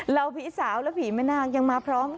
ผีสาวและผีแม่นาคยังมาพร้อม